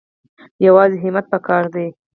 یوازې همت پکار دی